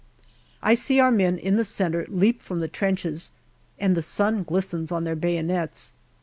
I see our men in the centre leap from the trenches, and the sun glistens on their bayonets.